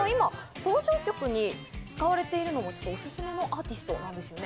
登場曲に使われているのがおすすめのアーティストなんですね。